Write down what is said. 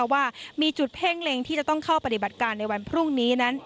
ว่ามีจุดเพ่งเล็งที่จะต้องเข้าปฏิบัติการในวันพรุ่งนี้นั้น